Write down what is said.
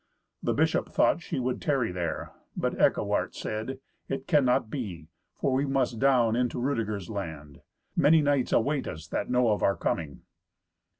The bishop thought she would tarry there, but Eckewart said, "It cannot be, for we must down into Rudeger's land. Many knights await us that know of our coming."